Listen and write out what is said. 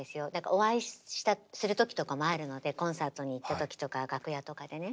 お会いする時とかもあるのでコンサートに行った時とか楽屋とかでね。